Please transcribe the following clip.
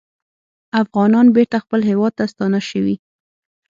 افغانان بېرته خپل هیواد ته ستانه شوي